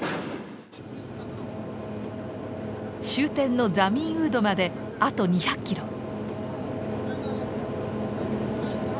終点のザミンウードまであと２００キロ。